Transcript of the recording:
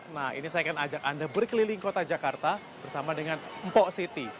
nah ini saya akan ajak anda berkeliling kota jakarta bersama dengan mpok siti